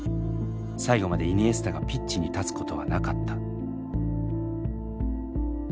最後までイニエスタがピッチに立つことはなかった。